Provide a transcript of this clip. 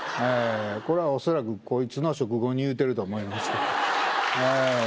これは恐らくこいつの食後に言うてると思います